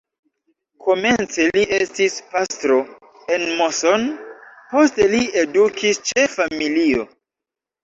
Komence li estis pastro en Moson, poste li edukis ĉe familio.